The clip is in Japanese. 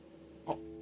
あっ。